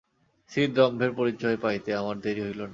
স্ত্রীর দম্ভের পরিচয় পাইতে আমার দেরি হইল না।